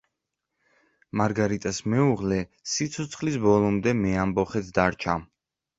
მარგარიტას მეუღლე სიცოცხლის ბოლომდე მეამბოხედ დარჩა.